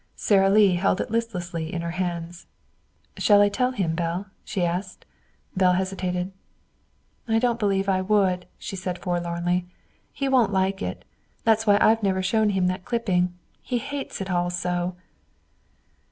Sara Lee held it listlessly in her hands. "Shall I tell him, Belle?" she asked. Belle hesitated. "I don't believe I would," she said forlornly. "He won't like it. That's why I've never showed him that clipping. He hates it all so."